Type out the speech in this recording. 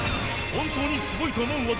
本当にすごいと思う技